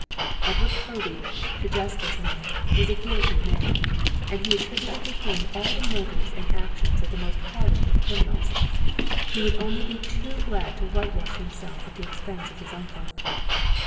Edward Povey to Jasper's mind was a guilty man, and he attributed to him all the motives and actions of the most hardened of criminals; he would only be too glad to whitewash himself at the expense of his uncle.